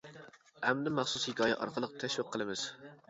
ئەمدى مەخسۇس ھېكايە ئارقىلىق تەشۋىق قىلىمىز.